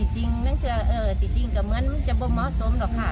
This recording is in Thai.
จริงหนังสือจริงก็เหมือนจะบ่มเหมาะสมหรอกค่ะ